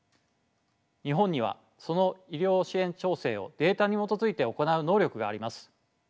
日本にはその医療支援調整をデータに基づいて行う能力があります。